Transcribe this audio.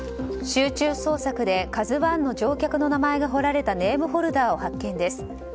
集中捜索で「ＫＡＺＵ１」の乗客の名前が彫られたネームホルダーを発見です。